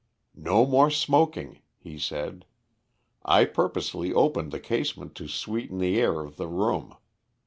"No more smoking," he said. "I purposely opened the casement to sweeten the air of the room.